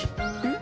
ん？